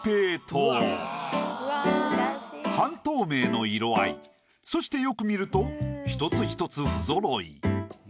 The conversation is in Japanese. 半透明の色合いそしてよく見ると１つ１つ不ぞろい。